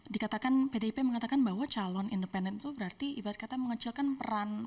dikatakan pdip mengatakan bahwa calon independen itu berarti ibas kata mengecilkan peran